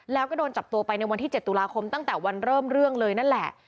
แล้วก็โดนจับตัวไปในวันที่๗ตุลาคมตั้งแต่วันเริ่มเรื่องเลยนั่นแหละ